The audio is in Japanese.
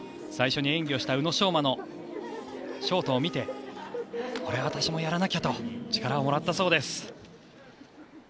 最初に演技をした宇野昌磨のショートを見てこれは私もやらなきゃと力をもらったそうです。